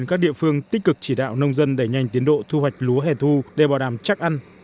nông dân đẩy nhanh tiến độ thu hoạch lúa hẻ thu để bảo đảm chắc ăn